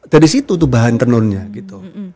dari situ tuh bahan tenunnya gitu